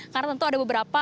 karena tentu ada beberapa